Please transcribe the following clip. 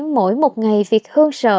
mỗi một ngày phi hương sợ